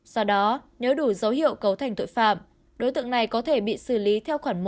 do đó nếu đủ dấu hiệu cấu thành tội phạm đối tượng này có thể bị xử lý theo khoản một